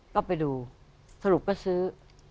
ก็ไปดูสรุปก็ซื้อ